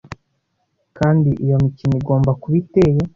Kandi iyo mikino igomba kuba iteye